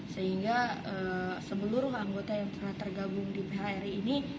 sehingga seluruh anggota yang telah tergabung di phri ini